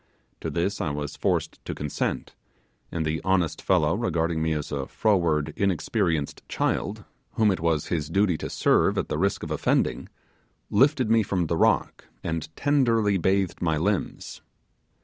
To this I was forced to consent; and the honest fellow regarding me as a froward, inexperienced child, whom it was his duty to serve at the risk of offending, lifted me from the rocks, and tenderly bathed my limbs.